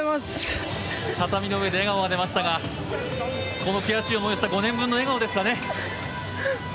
畳の上で笑顔が出ましたがこの悔しい思いをした５年分の笑顔ですかね。